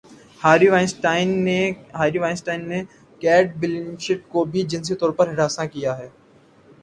Harvey Weinstein نے Kate Blanchett کو بھی جنسی طور پر ہراساں کیا